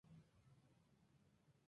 Eduardo Suárez Poveda.